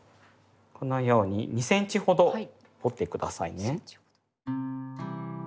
このように２センチほど掘って下さいね。